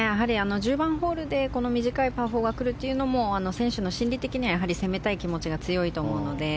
１０番ホールでこの短いパー４がくるのも選手の心理的には攻めたい気持ちが強いと思うので。